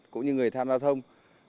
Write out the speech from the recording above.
cũng như người tham gia thông